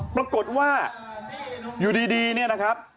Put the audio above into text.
ปรากฏว่าอยู่ดีนะครับ